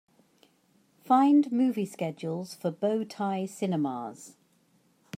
Find movie schedules for Bow Tie Cinemas.